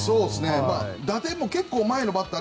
打点も結構前のバッター